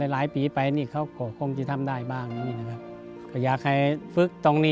หลายปีไปเขาก็คงจะทำได้บ้าง